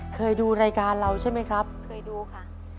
เคยดูรายการเราใช่ไหมครับเคยดูค่ะ